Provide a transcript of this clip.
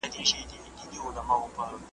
ستا د غواوو دي تېره تېره ښکرونه .